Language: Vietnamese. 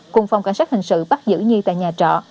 cùng phòng cảnh sát hình sự bắt giữ nhi tại nhà trọ